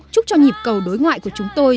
chúc cho nhịp cầu đối ngoại của chúng tôi